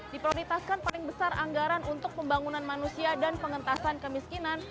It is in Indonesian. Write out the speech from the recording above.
diprioritaskan paling besar anggaran untuk pembangunan manusia dan pengentasan kemiskinan